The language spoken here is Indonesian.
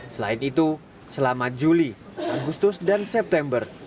selain itu selama juli agustus dan september